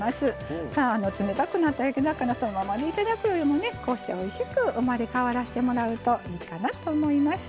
さあ冷たくなった焼き魚そのままで頂くよりもねこうしておいしく生まれ変わらせてもらうといいかなと思います。